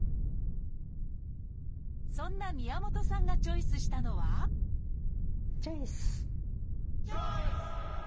そんな宮本さんがチョイスしたのはチョイス！